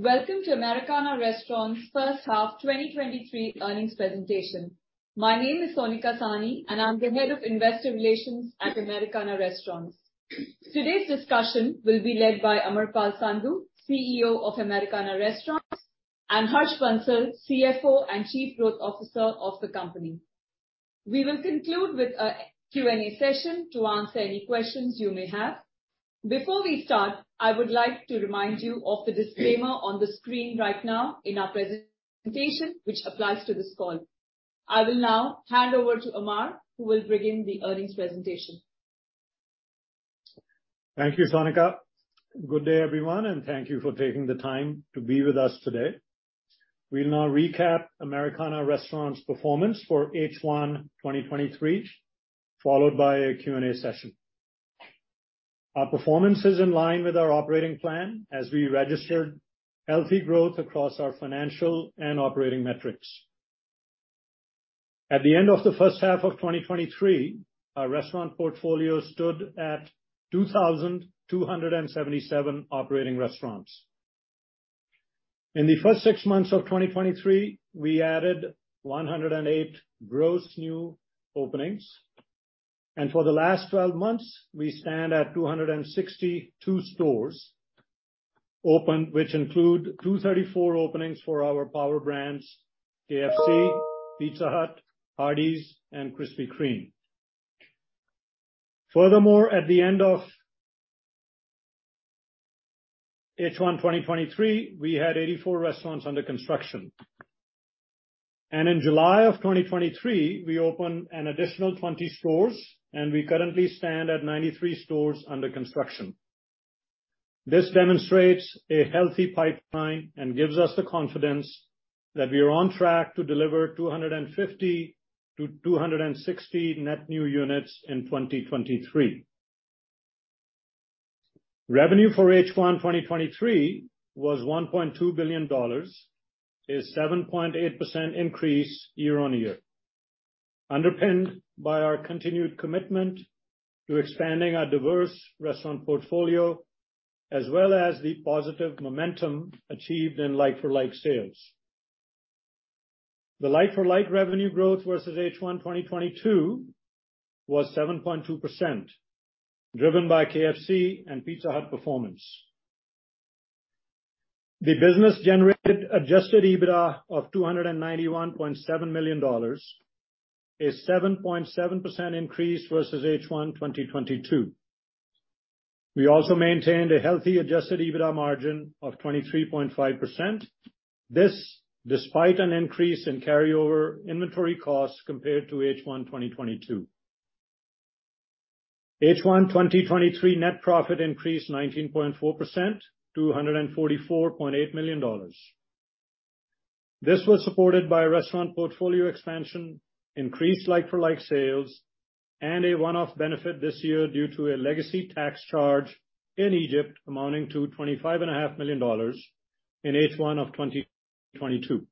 Welcome to Americana Restaurants' first half 2023 earnings presentation. My name is Sonika Sahni, and I'm the Head of Investor Relations at Americana Restaurants. Today's discussion will be led by Amarpal Sandhu, Chief Executive Officer of Americana Restaurants, and Harsh Bansal, Chief Financial Officer and Chief Growth Officer of the company. We will conclude with a Q&A session to answer any questions you may have. Before we start, I would like to remind you of the disclaimer on the screen right now in our presentation, which applies to this call. I will now hand over to Amar, who will begin the earnings presentation. Thank you, Sonika. Good day, everyone, and thank you for taking the time to be with us today. We'll now recap Americana Restaurants' performance for H1 2023, followed by a Q&A session. Our performance is in line with our operating plan, as we registered healthy growth across our financial and operating metrics. At the end of the first half of 2023, our restaurant portfolio stood at 2,277 operating restaurants. In the first six months of 2023, we added 108 gross new openings, and for the last 12 months, we stand at 262 stores opened, which include 234 openings for our power brands, KFC, Pizza Hut, Hardee's, and Krispy Kreme. Furthermore, at the end of H1 2023, we had 84 restaurants under construction. In July of 2023, we opened an additional 20 stores, and we currently stand at 93 stores under construction. This demonstrates a healthy pipeline and gives us the confidence that we are on track to deliver 250-260 net new units in 2023. Revenue for H1 2023 was $1.2 billion, a 7.8% increase year-on-year, underpinned by our continued commitment to expanding our diverse restaurant portfolio, as well as the positive momentum achieved in like-for-like sales. The like-for-like revenue growth versus H1 2022 was 7.2%, driven by KFC and Pizza Hut performance. The business generated adjusted EBITDA of $291.7 million, a 7.7% increase versus H1 2022. We also maintained a healthy adjusted EBITDA margin of 23.5%. This, despite an increase in carryover inventory costs compared to H1 2022. H1 2023 net profit increased 19.4% to $144.8 million. This was supported by restaurant portfolio expansion, increased like-for-like sales, and a one-off benefit this year due to a legacy tax charge in Egypt, amounting to $25.5 million in H1 of 2022.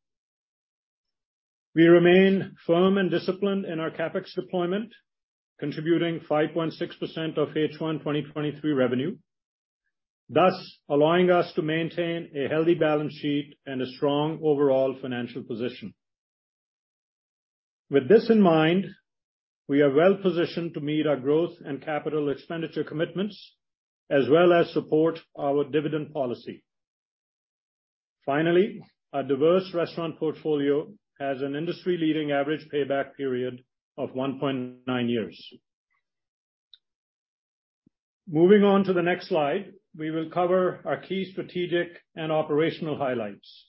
We remain firm and disciplined in our CapEx deployment, contributing 5.6% of H1 2023 revenue, thus allowing us to maintain a healthy balance sheet and a strong overall financial position. With this in mind, we are well-positioned to meet our growth and capital expenditure commitments, as well as support our dividend policy. Finally, our diverse restaurant portfolio has an industry-leading average payback period of 1.9 years. Moving on to the next slide, we will cover our key strategic and operational highlights.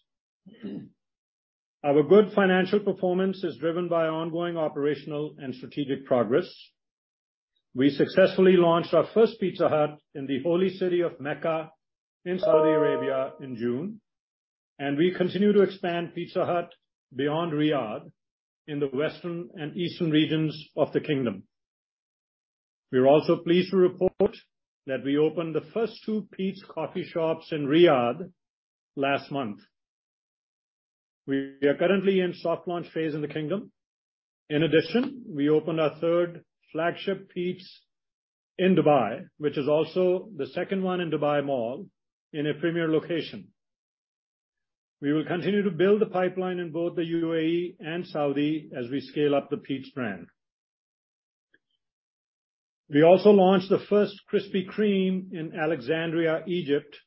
Our good financial performance is driven by ongoing operational and strategic progress. We successfully launched our first Pizza Hut in the holy city of Mecca, in Saudi Arabia, in June, and we continue to expand Pizza Hut beyond Riyadh, in the western and eastern regions of the kingdom. We are also pleased to report that we opened the first two Peet's Coffee shops in Riyadh last month. We are currently in soft launch phase in the kingdom. In addition, we opened our third flagship Peet's in Dubai, which is also the second one in Dubai Mall, in a premier location. We will continue to build the pipeline in both the UAE and Saudi as we scale up the Peet's brand. We also launched the first Krispy Kreme in Alexandria, Egypt,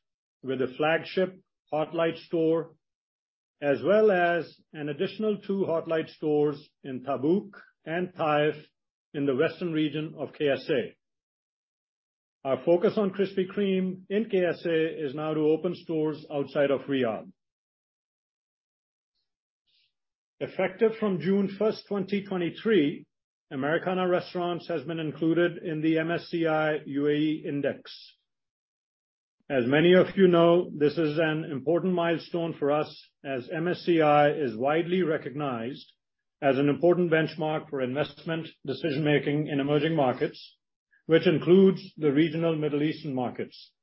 with a flagship Hot Light store, as well as an additional two Hot Light stores in Tabuk and Taif in the western region of KSA. Our focus on Krispy Kreme in KSA is now to open stores outside of Riyadh. Effective from June first, 2023, Americana Restaurants has been included in the MSCI UAE Index. As many of you know, this is an important milestone for us, as MSCI is widely recognized as an important benchmark for investment decision-making in emerging markets, which includes the regional Middle Eastern markets.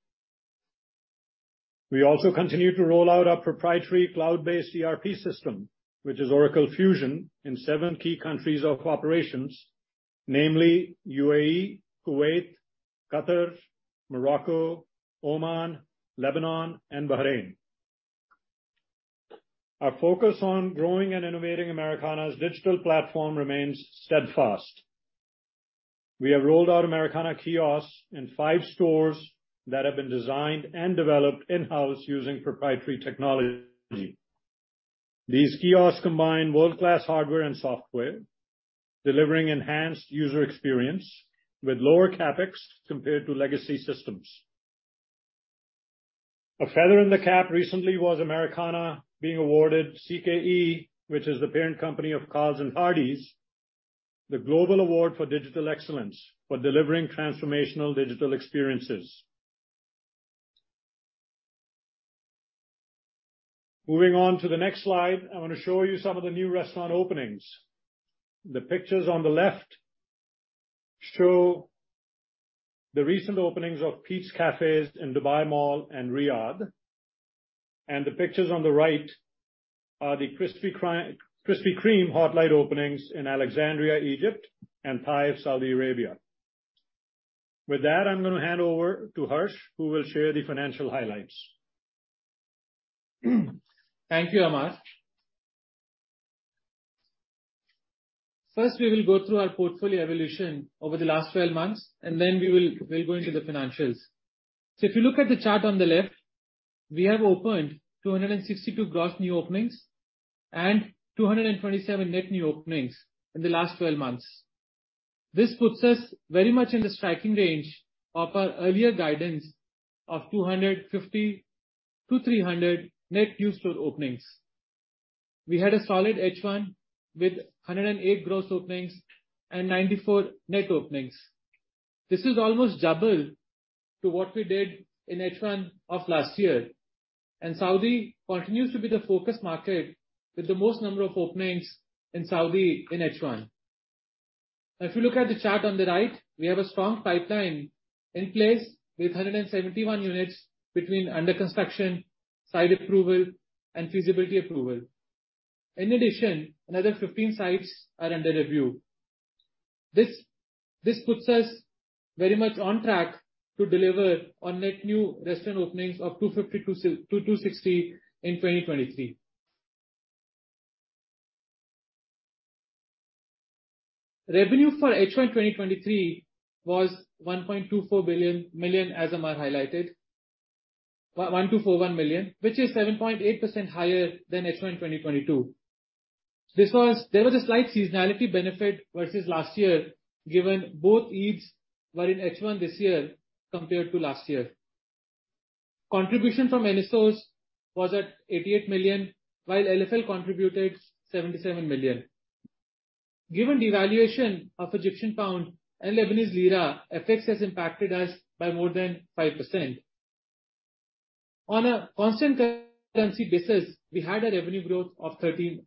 We also continue to roll out our proprietary cloud-based ERP system, which is Oracle Fusion, in seven key countries of operations: namely UAE, Kuwait, Qatar, Morocco, Oman, Lebanon, and Bahrain. Our focus on growing and innovating Americana's digital platform remains steadfast. We have rolled out Americana kiosks in five stores that have been designed and developed in-house using proprietary technology. These kiosks combine world-class hardware and software, delivering enhanced user experience with lower CapEx compared to legacy systems. A feather in the cap recently was Americana being awarded CKE, which is the parent company of Carl's and Hardee's, the Global Award for Digital Excellence, for delivering transformational digital experiences. Moving on to the next slide, I want to show you some of the new restaurant openings. The pictures on the left show the recent openings of Peet's Cafes in Dubai Mall and Riyadh, and the pictures on the right are the Krispy Kreme Hot Light openings in Alexandria, Egypt, and Taif, Saudi Arabia. With that, I'm gonna hand over to Harsh, who will share the financial highlights. Thank you, Amar. First, we will go through our portfolio evolution over the last 12 months, then we'll go into the financials. If you look at the chart on the left, we have opened 262 gross new openings and 227 net new openings in the last 12 months. This puts us very much in the striking range of our earlier guidance of 250-300 net new store openings. We had a solid H1 with 108 gross openings and 94 net openings. This is almost double to what we did in H1 of last year. Saudi continues to be the focus market with the most number of openings in Saudi in H1. If you look at the chart on the right, we have a strong pipeline in place with 171 units between under construction, site approval and feasibility approval. In addition, another 15 sites are under review. This puts us very much on track to deliver on net new restaurant openings of 250 to 260 in 2023. Revenue for H1, 2023 was $1,241 million, as Amar highlighted. $1,241 million, which is 7.8% higher than H1, 2022. There was a slight seasonality benefit versus last year, given both Eids were in H1 this year compared to last year. Contribution from NSSOs was at $88 million, while LFL contributed $77 million. Given devaluation of Egyptian pound and Lebanese lira, FX has impacted us by more than 5%. On a constant currency basis, we had a revenue growth of 13%.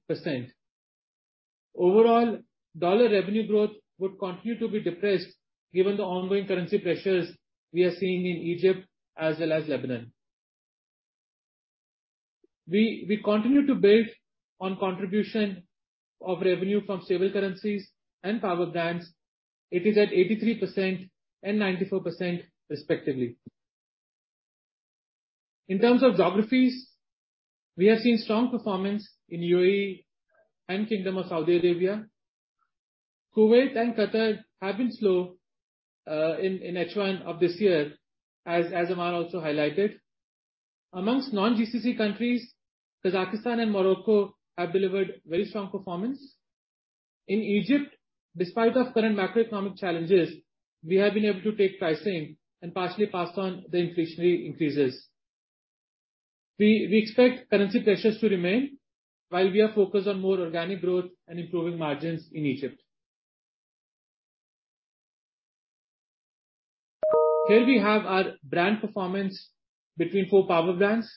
Overall, dollar revenue growth would continue to be depressed given the ongoing currency pressures we are seeing in Egypt as well as Lebanon. We continue to build on contribution of revenue from stable currencies and power brands. It is at 83% and 94% respectively. In terms of geographies, we have seen strong performance in UAE and Kingdom of Saudi Arabia. Kuwait and Qatar have been slow in H1 of this year, as Amar also highlighted. Amongst non-GCC countries, Kazakhstan and Morocco have delivered very strong performance. In Egypt, despite of current macroeconomic challenges, we have been able to take pricing and partially pass on the inflationary increases. We expect currency pressures to remain, while we are focused on more organic growth and improving margins in Egypt. Here we have our brand performance between four power brands.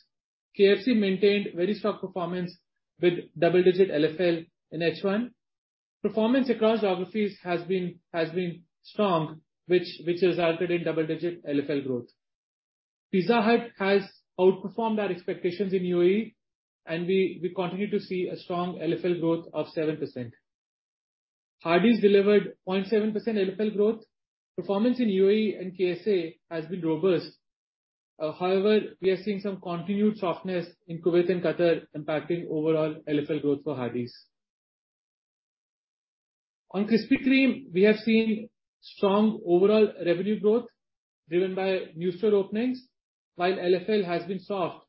KFC maintained very strong performance with double-digit LFL in H1. Performance across geographies has been strong, which has resulted in double-digit LFL growth. Pizza Hut has outperformed our expectations in UAE, we continue to see a strong LFL growth of 7%. Hardee's delivered 0.7% LFL growth. Performance in UAE and KSA has been robust. However, we are seeing some continued softness in Kuwait and Qatar impacting overall LFL growth for Hardee's. On Krispy Kreme, we have seen strong overall revenue growth, driven by new store openings, while LFL has been soft.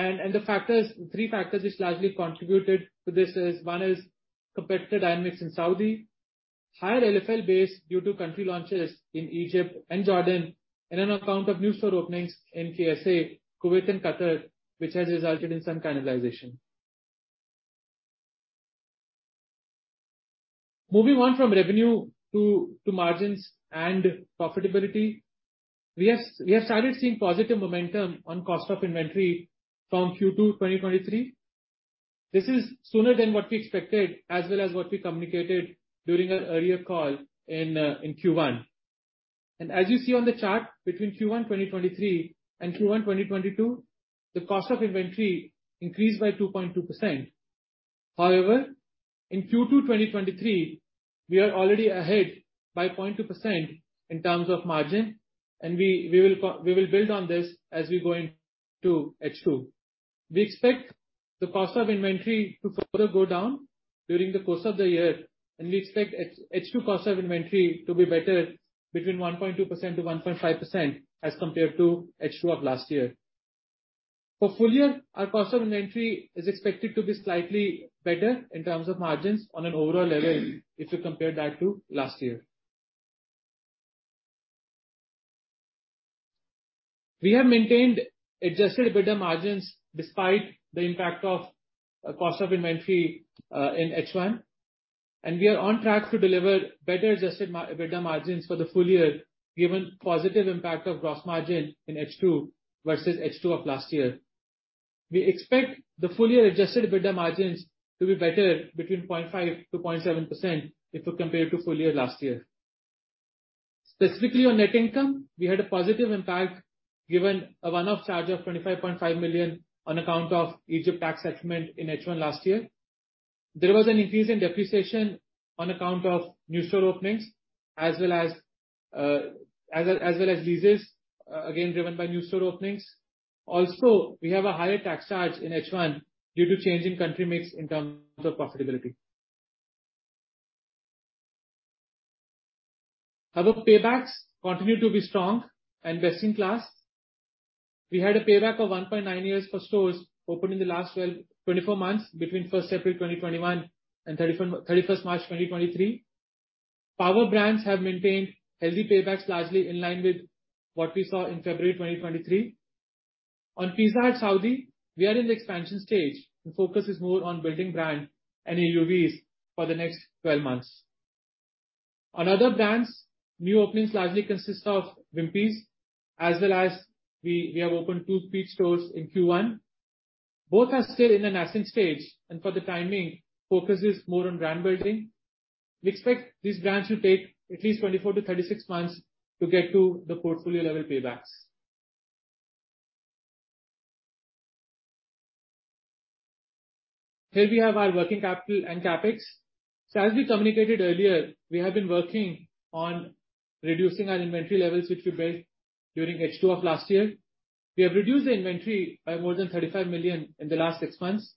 The factors, three factors which largely contributed to this is: one is competitor dynamics in Saudi, higher LFL base due to country launches in Egypt and Jordan, and on account of new store openings in KSA, Kuwait and Qatar, which has resulted in some cannibalization. Moving on from revenue to margins and profitability, we have started seeing positive momentum on cost of inventory from Q2, 2023. This is sooner than what we expected, as well as what we communicated during our earlier call in Q1. As you see on the chart, between Q1, 2023 and Q1, 2022, the cost of inventory increased by 2.2%. However, in Q2, 2023, we are already ahead by 0.2% in terms of margin, and we, we will build on this as we go into H2. We expect the cost of inventory to further go down during the course of the year, and we expect H2 cost of inventory to be better between 1.2%-1.5% as compared to H2 of last year. For full year, our cost of inventory is expected to be slightly better in terms of margins on an overall level, if you compare that to last year. We have maintained adjusted EBITDA margins despite the impact of cost of inventory in H1, and we are on track to deliver better adjusted EBITDA margins for the full year, given positive impact of gross margin in H2 versus H2 of last year. We expect the full year adjusted EBITDA margins to be better between 0.5%-0.7% if you compare it to full year last year. Specifically on net income, we had a positive impact, given a one-off charge of $25.5 million on account of Egypt tax settlement in H1 last year. There was an increase in depreciation on account of new store openings, as well as leases, again, driven by new store openings. We have a higher tax charge in H1 due to change in country mix in terms of profitability. Our paybacks continue to be strong and best in class. We had a payback of 1.9 years for stores opened in the last 12, 24 months, between 1st April, 2021 and 31st March, 2023. Power brands have maintained healthy paybacks, largely in line with what we saw in February 2023. On Pizza Hut Saudi, we are in the expansion stage, focus is more on building brand and AUVs for the next 12 months. On other brands, new openings largely consist of Wimpy, as well as we have opened two Pizza stores in Q1. Both are still in the nascent stage, for the time being, focus is more on brand building. We expect these brands to take at least 24-36 months to get to the portfolio-level paybacks. Here we have our working capital and CapEx. As we communicated earlier, we have been working on reducing our inventory levels, which we built during H2 of last year. We have reduced the inventory by more than $35 million in the last six months.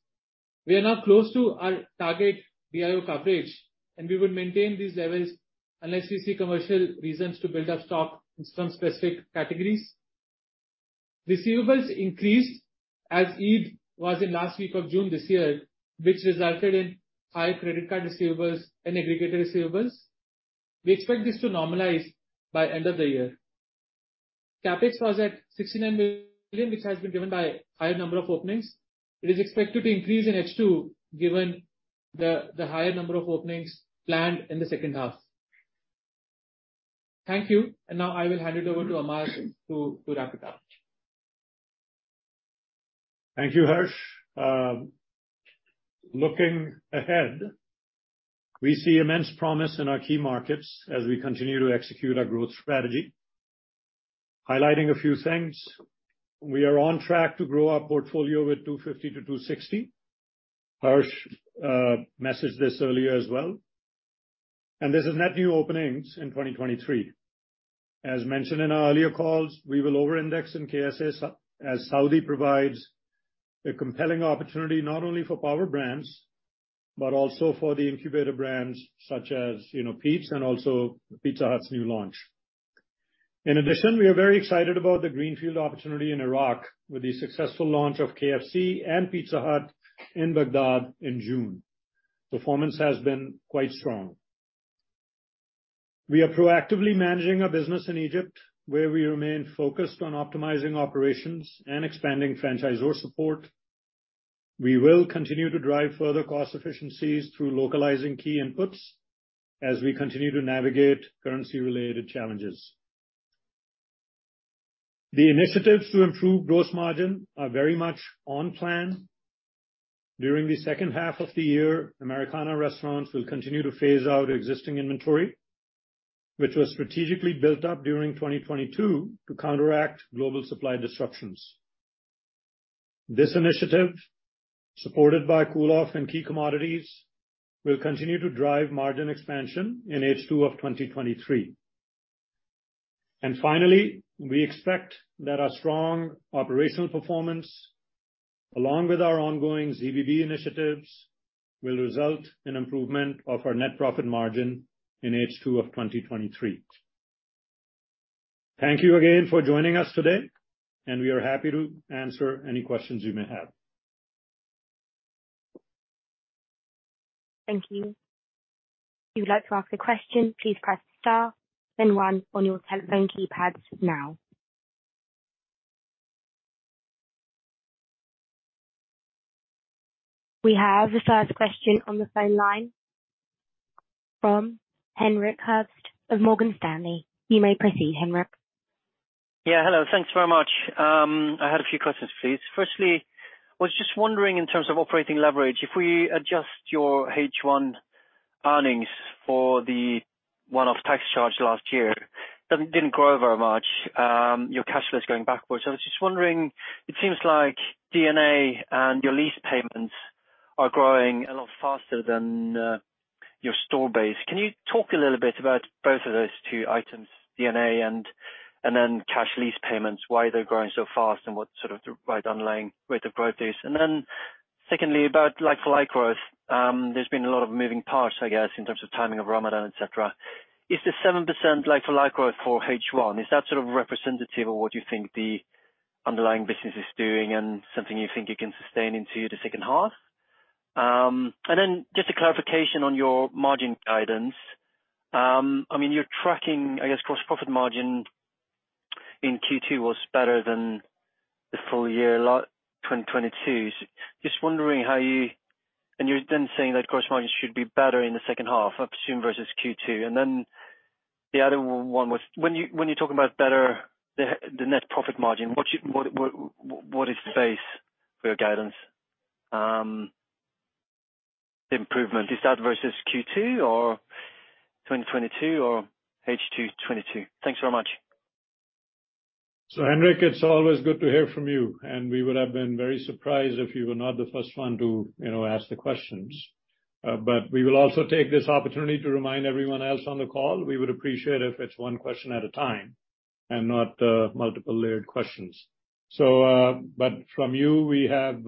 We are now close to our target BIO coverage. We will maintain these levels unless we see commercial reasons to build up stock in some specific categories. Receivables increased as Eid was in last week of June this year, which resulted in high credit card receivables and aggregated receivables. We expect this to normalize by end of the year. CapEx was at $69 million, which has been driven by higher number of openings. It is expected to increase in H2, given the higher number of openings planned in the second half. Thank you. Now I will hand it over to Amar to wrap it up. Thank you, Harsh. Looking ahead, we see immense promise in our key markets as we continue to execute our growth strategy. Highlighting a few things, we are on track to grow our portfolio with 250-260. Harsh messaged this earlier as well, and this is net new openings in 2023. As mentioned in our earlier calls, we will over-index in KSA, as Saudi provides a compelling opportunity not only for power brands, but also for the incubator brands such as, you know, Pizza and also Pizza Hut's new launch. In addition, we are very excited about the greenfield opportunity in Iraq with the successful launch of KFC and Pizza Hut in Baghdad in June. Performance has been quite strong. We are proactively managing our business in Egypt, where we remain focused on optimizing operations and expanding franchisor support. We will continue to drive further cost efficiencies through localizing key inputs as we continue to navigate currency-related challenges. The initiatives to improve gross margin are very much on plan. During the second half of the year, Americana Restaurants will continue to phase out existing inventory, which was strategically built up during 2022 to counteract global supply disruptions. This initiative, supported by cool off in key commodities, will continue to drive margin expansion in H2 of 2023. Finally, we expect that our strong operational performance, along with our ongoing ZBB initiatives, will result in improvement of our net profit margin in H2 of 2023. Thank you again for joining us today, and we are happy to answer any questions you may have. Thank you. If you'd like to ask a question, please press star then one on your telephone keypads now. We have the first question on the phone line from Henrik Herbst of Morgan Stanley. You may proceed, Henrik. Yeah, hello. Thanks very much. I had a few questions, please. Firstly, I was just wondering, in terms of operating leverage, if we adjust your H1 earnings for the one-off tax charge last year, then it didn't grow very much, your cash flow is going backwards. I was just wondering, it seems like G&A and your lease payments are growing a lot faster than your store base. Can you talk a little bit about both of those two items, G&A and then cash lease payments, why they're growing so fast, and what sort of the, right, underlying rate of growth is? Secondly, about like-for-like growth, there's been a lot of moving parts, I guess, in terms of timing of Ramadan, etc.. Is the 7% like-for-like growth for H1, is that sort of representative of what you think the underlying business is doing, and something you think it can sustain into the second half? Just a clarification on your margin guidance. I mean, you're tracking, I guess, gross profit margin in Q2 was better than the full year last 2022. Just wondering how you. You're then saying that gross margin should be better in the second half, I assume, versus Q2. The other one was, when you, when you're talking about better the, the net profit margin, what is the base for your guidance, improvement? Is that versus Q2 or 2022 or H2 2022? Thanks so much. Henrik, it's always good to hear from you, and we would have been very surprised if you were not the first one to, you know, ask the questions. We will also take this opportunity to remind everyone else on the call, we would appreciate if it's one question at a time and not multiple layered questions. From you, we have,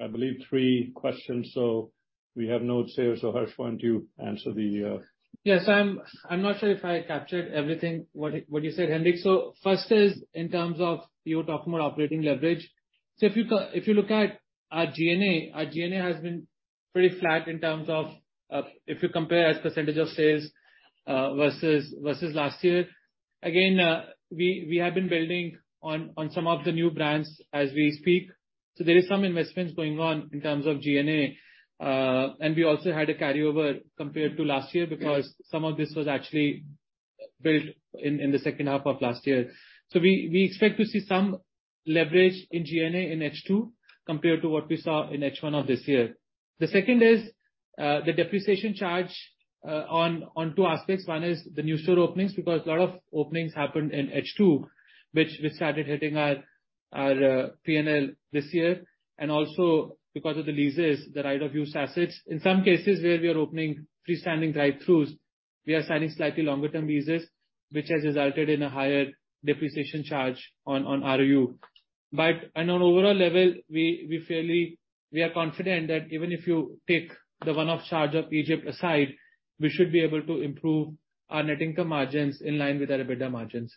I believe, three questions, so we have Note say, so Harsh, why don't you answer the- Yes, I'm, I'm not sure if I captured everything, what, what you said, Henrik. First is in terms of, you were talking about operating leverage. If you co- if you look at our G&A, our G&A has been pretty flat in terms of, if you compare as % of sales, versus, versus last year. Again, we, we have been building on, on some of the new brands as we speak. There is some investments going on in terms of G&A. We also had a carryover compared to last year because some of this was actually built in, in the second half of last year. We, we expect to see some leverage in G&A in H2, compared to what we saw in H1 of this year. The second is, the depreciation charge, on, on two aspects. One is the new store openings, because a lot of openings happened in H2, which started hitting our PNL this year, also because of the leases, the right-of-use assets. In some cases where we are opening freestanding drive-throughs, we are signing slightly longer term leases, which has resulted in a higher depreciation charge on ROU. On overall level, we are confident that even if you take the one-off charge of Egypt aside, we should be able to improve our net income margins in line with our EBITDA margins.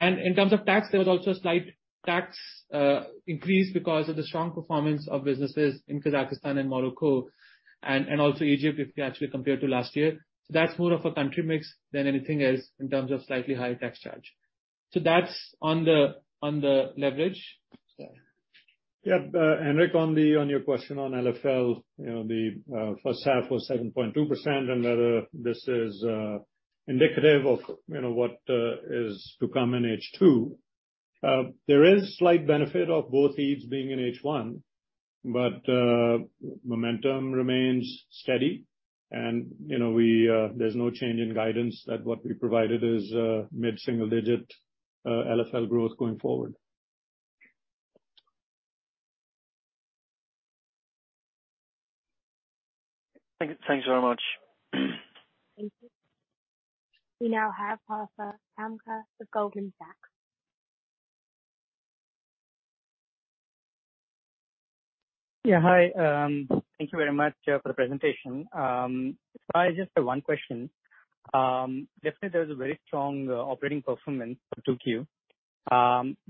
In terms of tax, there was also a slight tax increase because of the strong performance of businesses in Kazakhstan and Morocco, also Egypt, if you actually compare to last year. That's more of a country mix than anything else in terms of slightly higher tax charge. That's on the, on the leverage. Yeah, Henrik, on the, on your question on LFL, you know, the first half was 7.2%, and whether this is indicative of, you know, what is to come in H2. There is slight benefit of both Eids being in H1, but momentum remains steady, and, you know, we, there's no change in guidance that what we provided is mid-single digit LFL growth going forward. Thanks very much. Thank you. We now have Parth Mehta with Goldman Sachs. Yeah, hi. Thank you very much for the presentation. I just have one question. Definitely there is a very strong operating performance for Q2.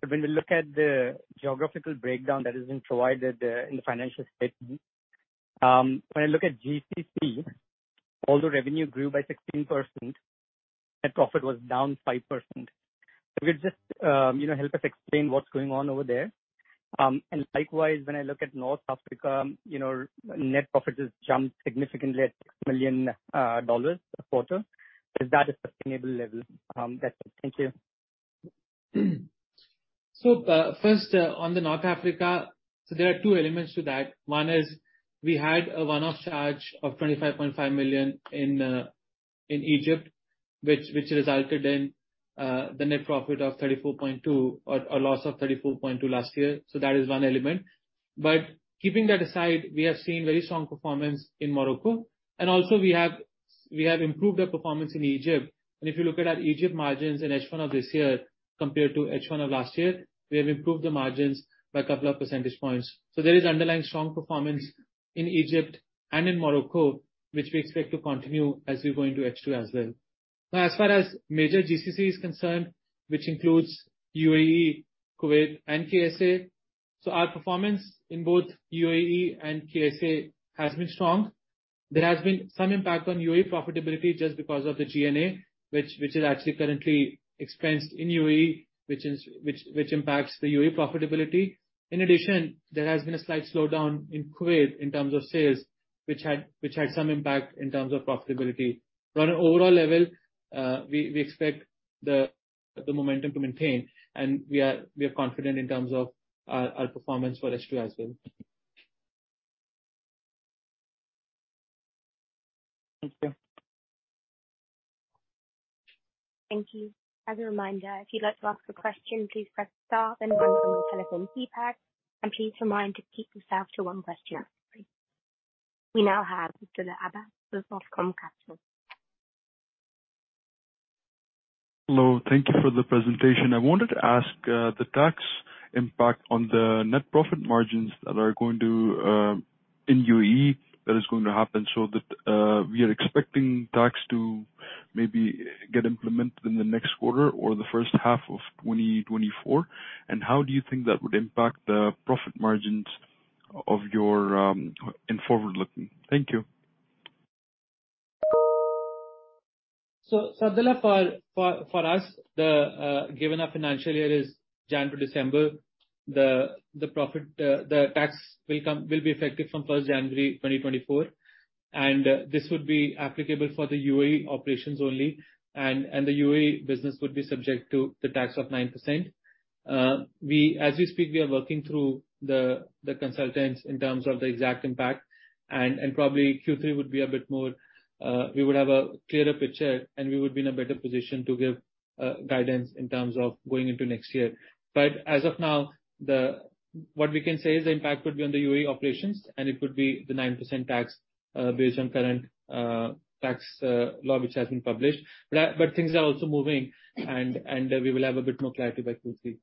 When we look at the geographical breakdown that has been provided in the financial statement, when I look at GCC, although revenue grew by 16%, net profit was down 5%. Could you just, you know, help us explain what's going on over there? Likewise, when I look at North Africa, you know, net profit has jumped significantly at $6 million a quarter. Is that a sustainable level? That's it. Thank you. First, on the North Africa, there are two elements to that. One is we had a one-off charge of $25.5 million in Egypt, which resulted in the net profit of $34.2 or a loss of $34.2 last year. That is one element. Keeping that aside, we have seen very strong performance in Morocco, and also we have improved our performance in Egypt. If you look at our Egypt margins in H1 of this year compared to H1 of last year, we have improved the margins by a couple of percentage points. There is underlying strong performance in Egypt and in Morocco, which we expect to continue as we go into H2 as well. As far as major GCC is concerned, which includes UAE, Kuwait, and KSA, our performance in both UAE and KSA has been strong. There has been some impact on UAE profitability just because of the G&A, which is actually currently expensed in UAE, which impacts the UAE profitability. In addition, there has been a slight slowdown in Kuwait in terms of sales. Which had some impact in terms of profitability. On an overall level, we expect the momentum to maintain, and we are confident in terms of our performance for H2 as well. Thank you. Thank you. As a reminder, if you'd like to ask a question, please press star then one on your telephone keypad. Please remind to keep yourself to one question. We now have Abdullah Abbas with Arqaam Capital. Hello. Thank you for the presentation. I wanted to ask, the tax impact on the net profit margins that are going to, in UAE, that is going to happen so that, we are expecting tax to maybe get implemented in the next quarter or the first half of 2024. How do you think that would impact the profit margins of your, in forward-looking? Thank you. Abdullah, for us, given our financial year is January to December, the profit, the tax will come, will be effective from January 1, 2024. This would be applicable for the UAE operations only, and the UAE business would be subject to the tax of 9%. As we speak, we are working through the consultants in terms of the exact impact. Probably Q3 would be a bit more. We would have a clearer picture, and we would be in a better position to give guidance in terms of going into next year. As of now, what we can say is the impact would be on the UAE operations, and it would be the 9% tax, based on current tax law which has been published. Things are also moving, and we will have a bit more clarity by Q3.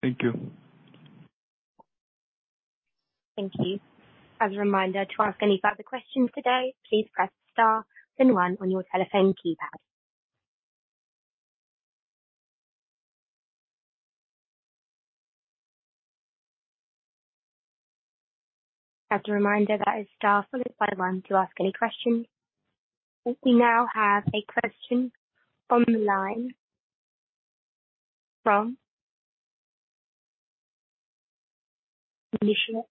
Thank you. Thank you. As a reminder, to ask any further questions today, please press star then one on your telephone keypad. As a reminder, that is star followed by one to ask any questions. We now have a question on the line from Nishit Lakhotia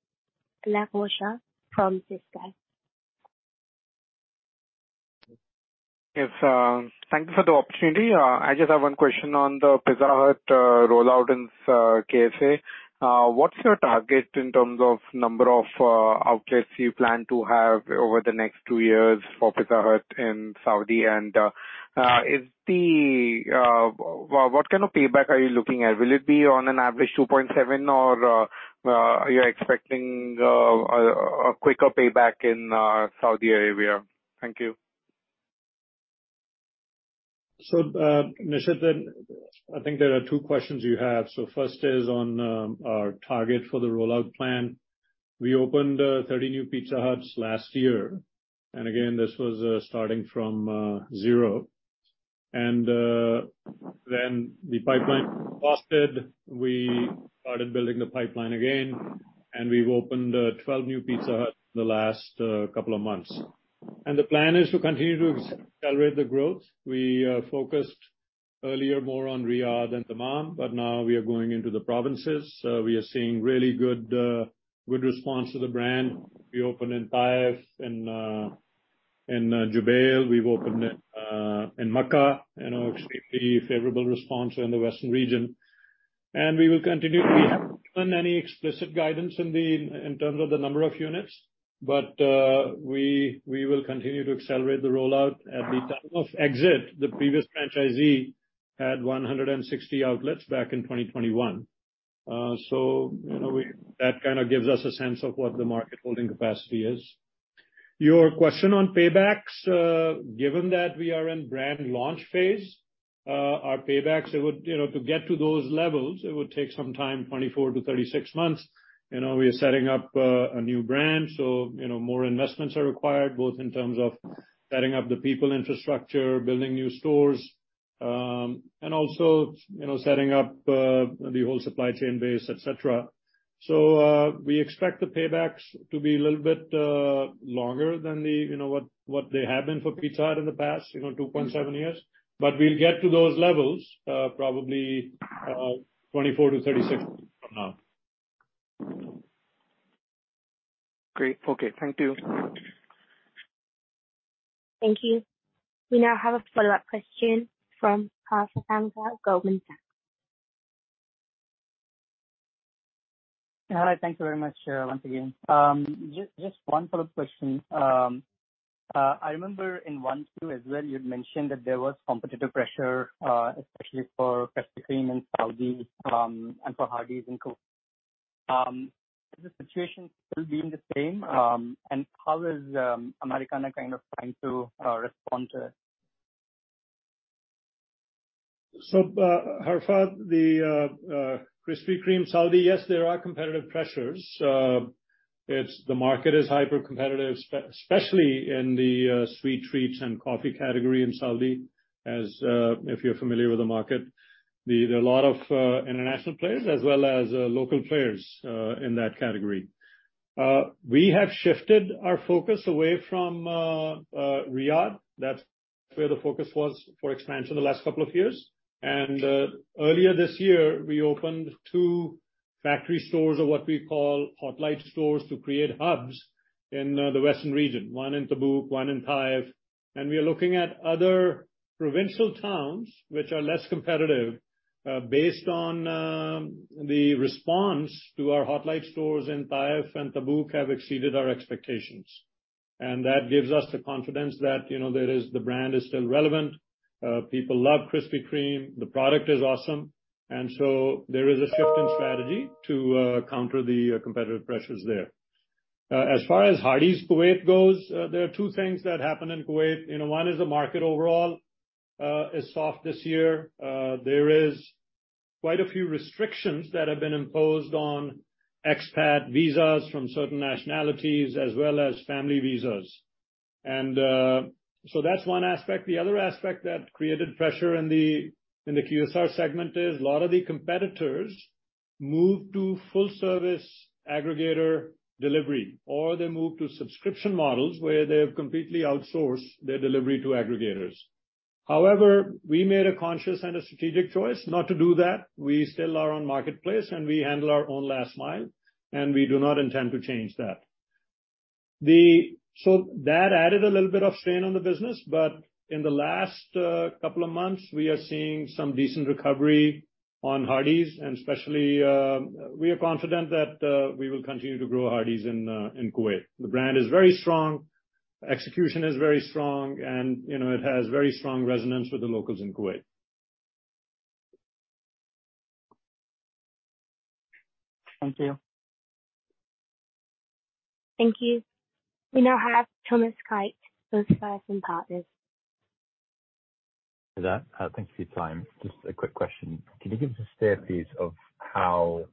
from SICO. Yes, thank you for the opportunity. I just have one question on the Pizza Hut rollout in KSA. What's your target in terms of number of outlets you plan to have over the next two years for Pizza Hut in Saudi? What kind of payback are you looking at? Will it be on an average 2.7, or, are you expecting a quicker payback in Saudi Arabia? Thank you. Nishit, I think there are two questions you have. First is on our target for the rollout plan. We opened 30 new Pizza Huts last year, again, this was starting from zero. The pipeline exhausted. We started building the pipeline again, we've opened 12 new Pizza Huts in the last couple of months. The plan is to continue to accelerate the growth. We focused earlier more on Riyadh and Dammam, now we are going into the provinces. We are seeing really good response to the brand. We opened in Taif, in Jubail. We've opened in Makkah, extremely favorable response in the western region. We will continue. We haven't given any explicit guidance in the, in terms of the number of units, but we, we will continue to accelerate the rollout. At the time of exit, the previous franchisee had 160 outlets back in 2021. You know, that kind of gives us a sense of what the market holding capacity is. Your question on paybacks, given that we are in brand launch phase, our paybacks, it would, you know, to get to those levels, it would take some time, 24-36 months. You know, we are setting up a new brand, so, you know, more investments are required, both in terms of setting up the people infrastructure, building new stores, and also, you know, setting up the whole supply chain base, et cetera. We expect the paybacks to be a little bit longer than the, you know, what, what they have been for Pizza Hut in the past, you know, two point seven years. We'll get to those levels, probably, 24 to 36 from now. Great. Okay. Thank you. Thank you. We now have a follow-up question from Parth Mehta, Goldman Sachs. Hi. Thank you very much, once again. Just, just one follow-up question. I remember in one, two as well, you'd mentioned that there was competitive pressure, especially for Krispy Kreme in Saudi, and for Hardee's in Kuwait. Is the situation still being the same? How is Americana kind of trying to respond to it? Parth, the Krispy Kreme Saudi, yes, there are competitive pressures. The market is hyper competitive, especially in the sweet treats and coffee category in Saudi, as if you're familiar with the market. There are a lot of international players as well as local players in that category. We have shifted our focus away from Riyadh. That's where the focus was for expansion the last couple of years. Earlier this year, we opened two factory stores, or what we call Hot Light stores, to create hubs in the western region, one in Tabuk, one in Taif. We are looking at other provincial towns which are less competitive, based on the response to our Hot Light stores in Taif and Tabuk have exceeded our expectations. That gives us the confidence that, you know, there is the brand is still relevant. People love Krispy Kreme. The product is awesome. There is a shift in strategy to counter the competitive pressures there. As far as Hardee's Kuwait goes, there are two things that happen in Kuwait. You know, one is the market overall is soft this year. There is quite a few restrictions that have been imposed on expat visas from certain nationalities as well as family visas. That's one aspect. The other aspect that created pressure in the QSR segment is a lot of the competitors moved to full service aggregator delivery, or they moved to subscription models, where they have completely outsourced their delivery to aggregators. However, we made a conscious and a strategic choice not to do that. We still are on marketplace, and we handle our own last mile, and we do not intend to change that. That added a little bit of strain on the business, but in the last couple of months, we are seeing some decent recovery on Hardee's, and especially, we are confident that we will continue to grow Hardee's in Kuwait. The brand is very strong, execution is very strong, and, you know, it has very strong resonance with the locals in Kuwait. Thank you. Thank you. We now have Thomas Kite. Hi there. Thank you for your time. Just a quick question. Can you give us a staircase of how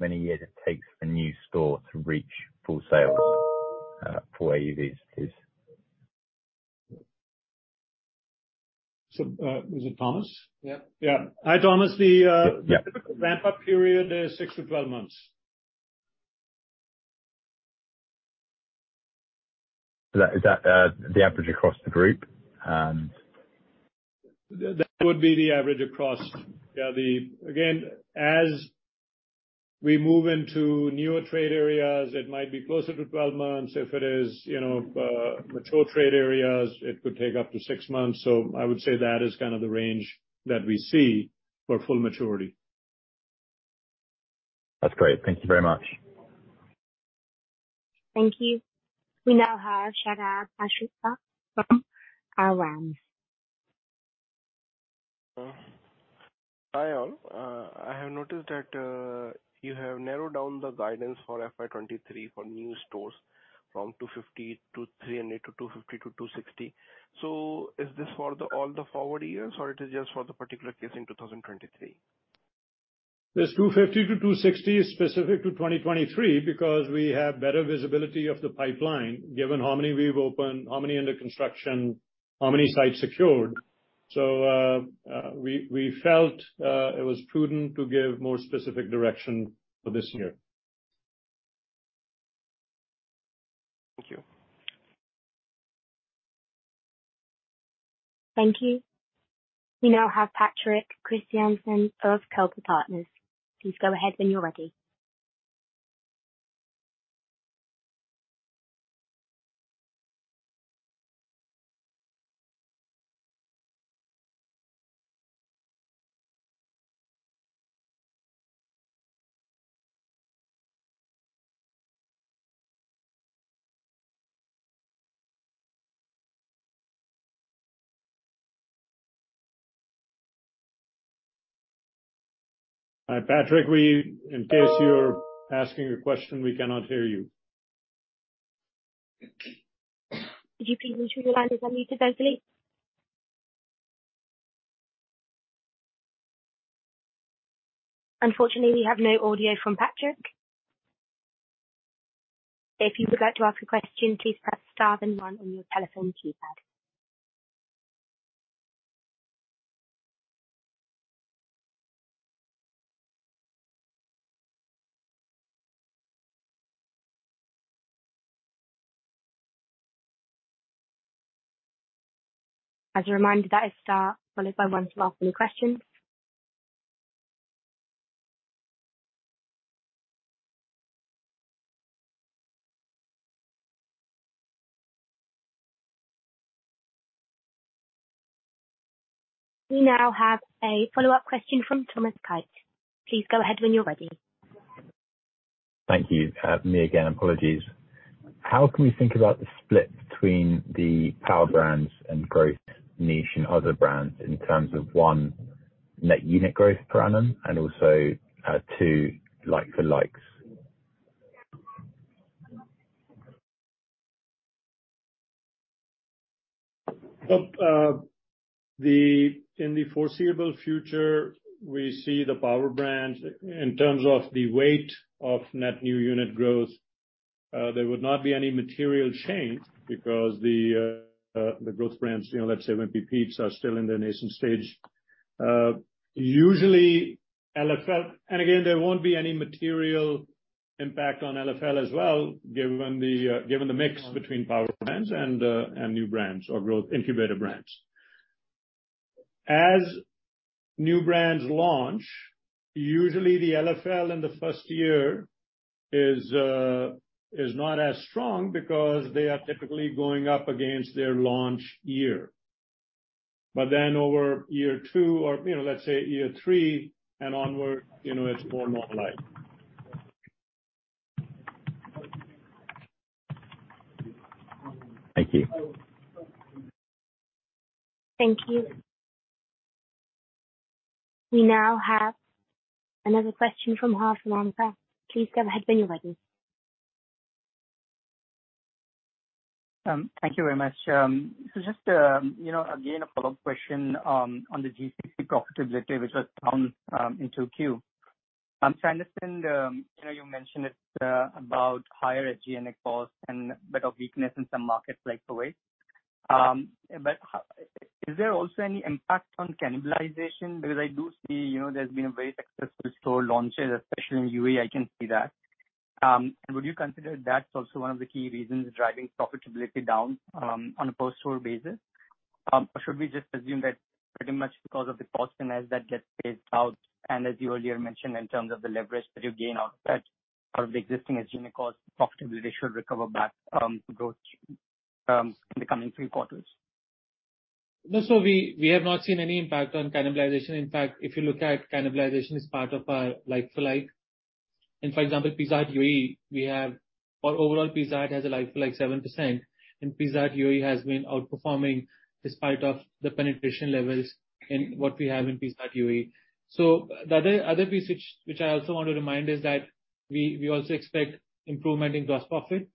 many years it takes a new store to reach full sales, for AUVs, please? Is it Thomas? Yeah. Hi, Thomas, the. Yeah. The ramp-up period is six to 12 months. Is that, the average across the group, and... That would be the average across, yeah, the. Again, as we move into newer trade areas, it might be closer to 12 months. If it is, you know, mature trade areas, it could take up to six months. I would say that is kind of the range that we see for full maturity. That's great. Thank you very much. Thank you. We now have Sharad Ashrita from Ruya Partners. Hi, all. I have noticed that you have narrowed down the guidance for FY 2023 for new stores from 250 to 300 to 250 to 260. Is this for all the forward years, or is it just for the particular case in 2023? This 250-260 is specific to 2023 because we have better visibility of the pipeline, given how many we've opened, how many under construction, how many sites secured. We felt it was prudent to give more specific direction for this year. Thank you. Thank you. We now have Patrick Christiansen of Kepler Partners. Please go ahead when you're ready. Hi, Patrick, in case you are asking a question, we cannot hear you. Could you please mute your line if unmuted by mistake? Unfortunately, we have no audio from Patrick. If you would like to ask a question, please press star then one on your telephone keypad. As a reminder, that is star followed by one to ask any questions. We now have a follow-up question from Thomas Kite. Please go ahead when you're ready. Thank you. Me again, apologies. How can we think about the split between the power brands and growth niche and other brands in terms of, one, net unit growth per annum and also, two, like for likes? Well, in the foreseeable future, we see the power brands in terms of the weight of net new unit growth, there would not be any material change because the growth brands, you know, let's say Peet's, are still in their nascent stage. Usually LFL, and again, there won't be any material impact on LFL as well, given the mix between power brands and new brands or growth incubator brands. As new brands launch, usually the LFL in the first year is not as strong because they are typically going up against their launch year. Then over year two or, you know, let's say year three and onward, you know, it's more normalized. Thank you. Thank you. We now have another question from Parth Mehta. Please go ahead when you're ready. Thank you very much. Just, you know, again, a follow-up question on the GCC profitability, which was down in 2Q. I understand, you know, you mentioned it's about higher SG&A costs and bit of weakness in some markets like Kuwait. Is there also any impact on cannibalization? Because I do see, you know, there's been a very successful store launches, especially in UAE, I can see that. Would you consider that's also one of the key reasons driving profitability down on a post-store basis? Should we just assume that pretty much because of the cost premise that gets phased out, and as you earlier mentioned, in terms of the leverage that you gain out of that, out of the existing SG&A cost, profitability should recover back to growth in the coming three quarters. No, we have not seen any impact on cannibalization. In fact, if you look at cannibalization as part of our like-for-like, and for example, Pizza Hut UAE, our overall Pizza Hut has a like-for-like 7%, and Pizza Hut UAE has been outperforming despite of the penetration levels in what we have in Pizza Hut UAE. The other piece which I also want to remind, is that we also expect improvement in gross profit.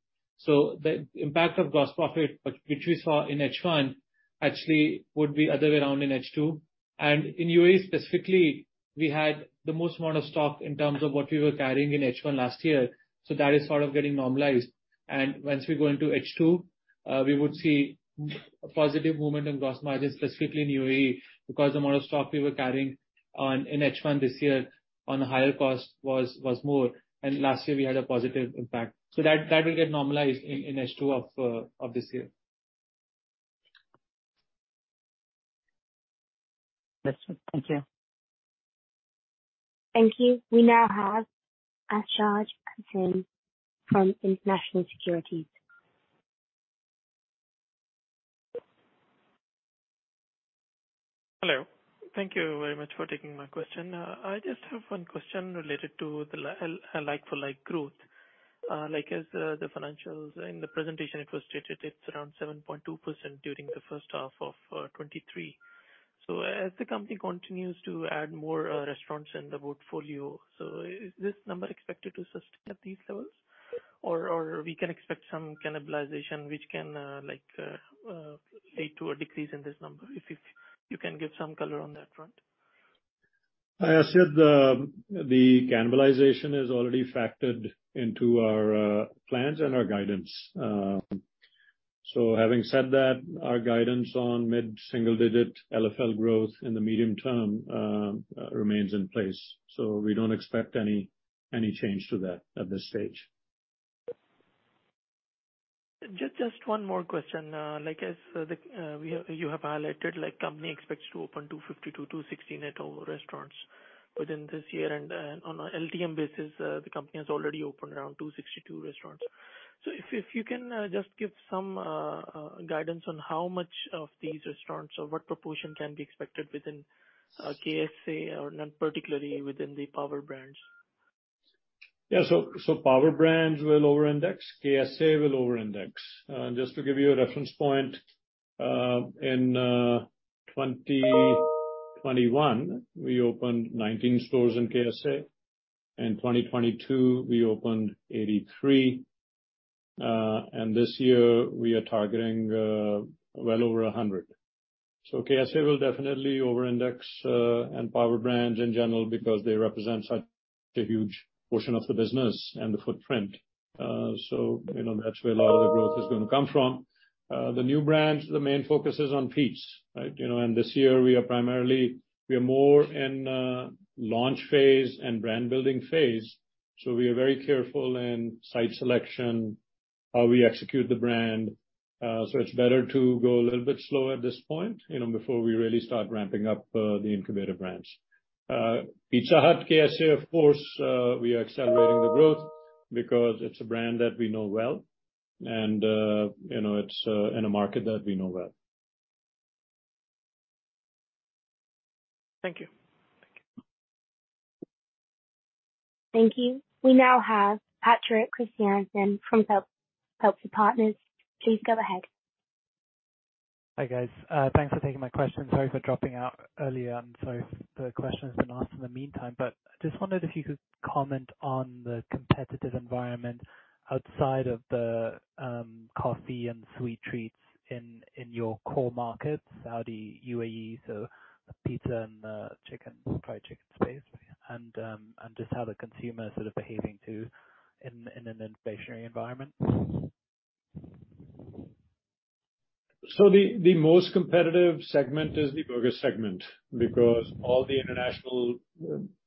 The impact of gross profit, which we saw in H1, actually would be other way around in H2. In UAE, specifically, we had the most amount of stock in terms of what we were carrying in H1 last year, so that is sort of getting normalized. Once we go into H2, we would see a positive momentum in gross margin, specifically in UAE, because the amount of stock we were carrying on, in H1 this year on a higher cost was more, and last year we had a positive impact. That will get normalized in H2 of this year. Understood. Thank you. Thank you. We now have Asjad Hussain from International Securities. Hello. Thank you very much for taking my question. I just have one question related to the like-for-like growth. Like, as the financials in the presentation, it was stated, it's around 7.2% during the first half of 2023. As the company continues to add more restaurants in the portfolio, so is this number expected to sustain at these levels? Or we can expect some cannibalization which can like lead to a decrease in this number? If you can give some color on that front. I said, the cannibalization is already factored into our plans and our guidance. Having said that, our guidance on mid-single digit LFL growth in the medium term, remains in place, so we don't expect any, any change to that at this stage. Just one more question. Like, as the, you have highlighted, like, company expects to open 250-260 net over restaurants within this year, and on a LTM basis, the company has already opened around 262 restaurants. If you can just give some guidance on how much of these restaurants or what proportion can be expected within KSA or not particularly within the power brands. Yeah, power brands will overindex, KSA will overindex. Just to give you a reference point, in 2021, we opened 19 stores in KSA. In 2022, we opened 83, and this year we are targeting well over 100. KSA will definitely overindex, and power brands in general because they represent such a huge portion of the business and the footprint. You know, that's where a lot of the growth is gonna come from. The new brands, the main focus is on Pizza Hut, right? You know, this year we are primarily, we are more in launch phase and brand building phase, so we are very careful in site selection, how we execute the brand. It's better to go a little bit slower at this point, you know, before we really start ramping up the incubator brands. Pizza Hut, KSA, of course, we are accelerating the growth because it's a brand that we know well and, you know, it's in a market that we know well. Thank you. Thank you. Thank you. We now have Patrick Christiansen from Kepler Partners. Please go ahead. Hi, guys. Thanks for taking my question. Sorry for dropping out earlier, and sorry if the question has been asked in the meantime, but just wondered if you could comment on the competitive environment outside of the coffee and sweet treats in, in your core markets, Saudi, UAE, so pizza and chicken, fried chicken space, and just how the consumer is sort of behaving, too, in, in an inflationary environment? The, the most competitive segment is the burger segment, because all the international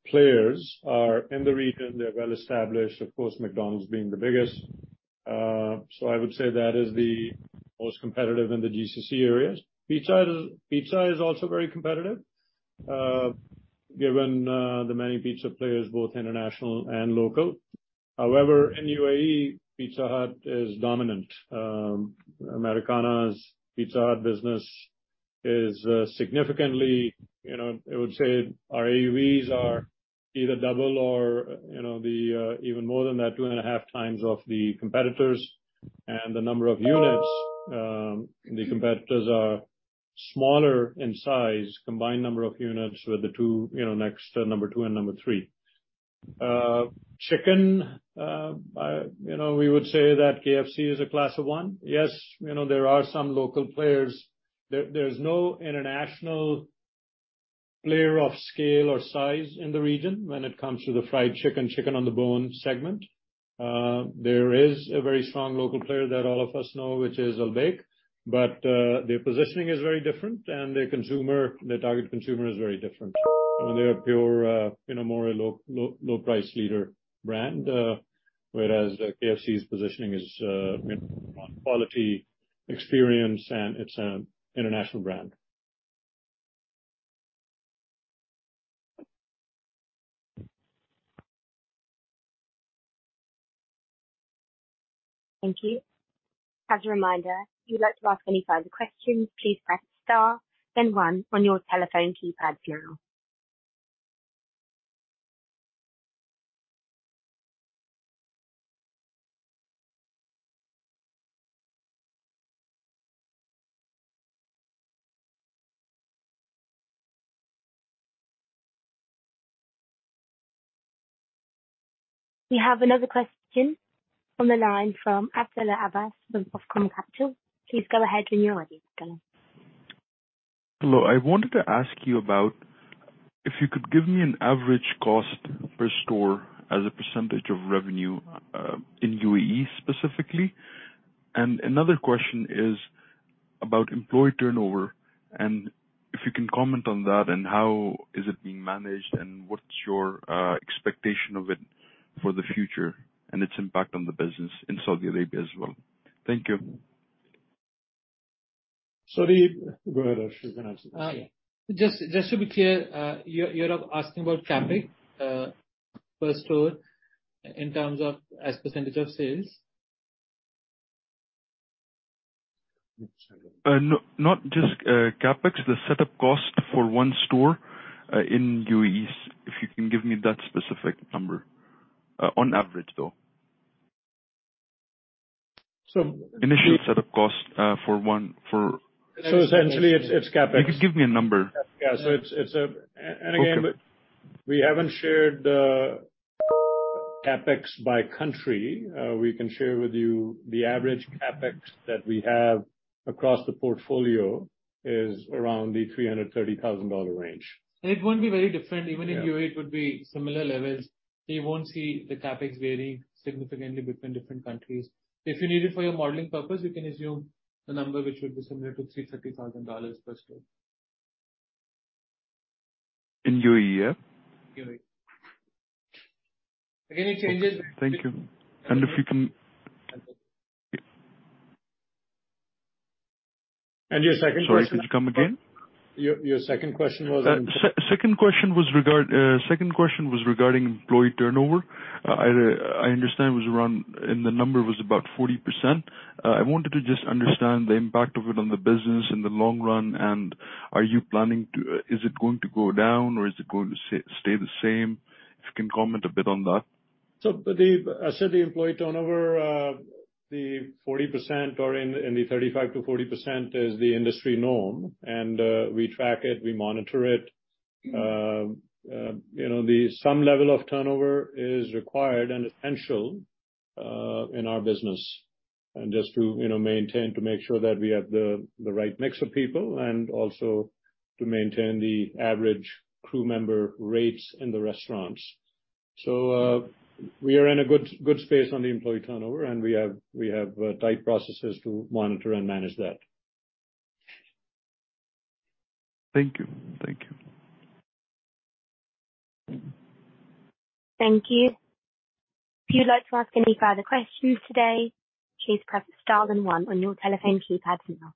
players are in the region. They're well-established, of course, McDonald's being the biggest. I would say that is the most competitive in the GCC areas. Pizza is, pizza is also very competitive, given the many pizza players, both international and local. However, in UAE, Pizza Hut is dominant. Americana's Pizza Hut business is significantly, you know, I would say our AUVs are either double or, you know, the even more than that, 2.5 times of the competitors and the number of units. The competitors are smaller in size, combined number of units with the two, you know, next, number two and number three. Chicken, you know, we would say that KFC is a class of one. Yes, you know, there are some local players. There, there's no international player of scale or size in the region when it comes to the fried chicken, chicken on the bone segment. There is a very strong local player that all of us know, which is Al Baik, but their positioning is very different, and their consumer, their target consumer is very different. I mean, they are pure, you know, more a low, low, low price leader brand, whereas KFC's positioning is, you know, on quality, experience, and it's an international brand. Thank you. As a reminder, if you'd like to ask any further questions, please press star then one on your telephone keypad now. We have another question on the line from Abdullah Abbas of Arqaam Capital. Please go ahead when you're ready. Hello. I wanted to ask you about if you could give me an average cost per store as a % of revenue, in UAE, specifically. Another question is about employee turnover, and if you can comment on that and how is it being managed and what's your expectation of it for the future and its impact on the business in Saudi Arabia as well? Thank you. Go ahead, Harsh. You can answer this. Just, just to be clear, you, you're asking about CapEx, per store in terms of as % of sales? No, not just CapEx, the setup cost for one store in UAE. If you can give me that specific number, on average, though? So- Initial setup cost, for one. Essentially it's, it's CapEx. If you could give me a number. Yeah. it's, it's a... Okay. Again, we haven't shared the CapEx by country. We can share with you the average CapEx that we have across the portfolio is around the $330,000 range. It won't be very different. Yeah. Even in UAE, it would be similar levels. You won't see the CapEx varying significantly between different countries. If you need it for your modeling purpose, you can assume the number, which would be similar to $330,000 per store. In UAE, yeah? UAE. Again, it changes- Thank you. If you can- Your second question? Sorry, could you come again? Your, your second question was? Second question was regarding employee turnover. I understand it was around, and the number was about 40%. I wanted to just understand the impact of it on the business in the long run, and are you planning to... Is it going to go down, or is it going to stay the same? If you can comment a bit on that. The, as I said, the employee turnover, the 40% or in, in the 35%-40% is the industry norm, and we track it, we monitor it. You know, Some level of turnover is required and essential in our business and just to, you know, maintain, to make sure that we have the, the right mix of people and also to maintain the average crew member rates in the restaurants. We are in a good, good space on the employee turnover, and we have, we have, tight processes to monitor and manage that. Thank you. Thank you. Thank you. If you'd like to ask any further questions today, please press star then one on your telephone keypad now.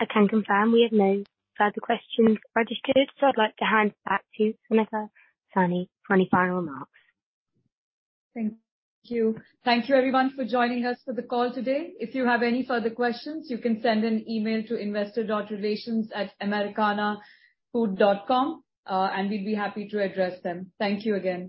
I can confirm we have no further questions registered, I'd like to hand it back to Sonika Sahni for any final remarks. Thank you. Thank you everyone for joining us for the call today. If you have any further questions, you can send an email to investor.relations@americanafood.com. We'd be happy to address them. Thank you again.